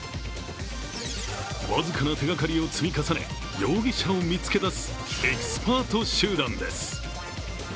僅かな手がかりを積み重ね、容疑者を見つけ出すエキスパート集団です。